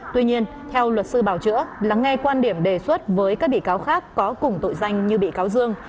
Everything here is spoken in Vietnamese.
tuy nhiên theo luật sư bảo chữa lắng nghe quan điểm đề xuất với các bị cáo khác có cùng tội danh như bị cáo dương